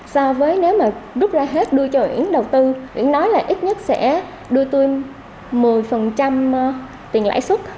so với nếu mà rút ra hết đuôi cho uyển đầu tư uyển nói là ít nhất sẽ đuôi tôi một mươi tiền lãi xuất